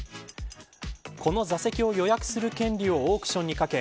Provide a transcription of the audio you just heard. この座席を予約する権利をオークションにかけ